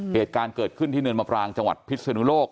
เหตุการณ์เกิดขึ้นที่เนินมะปรางจังหวัดพิศนุโลก